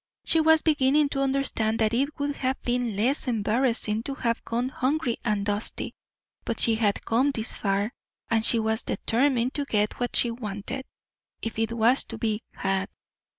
She was beginning to understand that it would have been less embarrassing to have gone hungry and dusty. But she had come this far, and she was determined to get what she wanted if it was to be had.